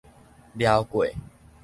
蹽過